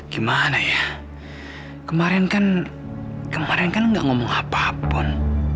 gimana ya kemarin kan kemarin kan nggak ngomong apa apa pun